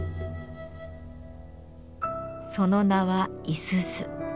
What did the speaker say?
その名は五十鈴。